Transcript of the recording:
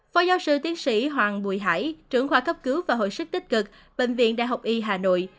phó giáo sư tiến sĩ hoàng bùi hải trưởng khoa cấp cứu và hội sức tích cực bệnh viện đại học y hà nội